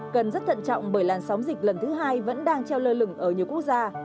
cần rất thận trọng bởi làn sóng dịch lần thứ hai vẫn đang treo lơ lửng ở nhiều quốc gia